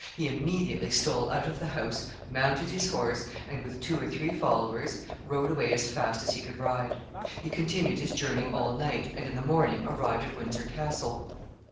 He immediately stole out of the house, mounted his horse, and, with two or three followers, rode away as fast as he could ride. He continued his journey all night, and in the morning arrived at Windsor Castle.